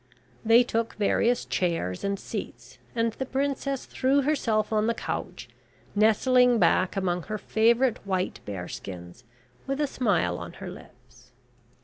They took various chairs and seats, and the princess threw herself on the couch, nestling back among her favourite white bear skins, with a smile on her lips.